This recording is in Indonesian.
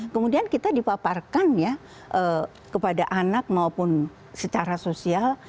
kemudian kita dipaparkan ya kepada anak maupun secara sosial